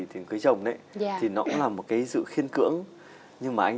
thì cưới chồng đấy thì nó cũng là một cái sự khiên cưỡng thì nó cũng là một cái sự khiên cưỡng nhưng mà anh